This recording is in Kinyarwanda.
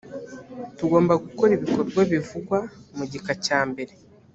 tugomba gukora ibikorwa bivugwa mu gika cya mbere